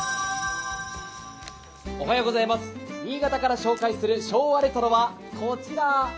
新潟から紹介する昭和レトロは、こちら。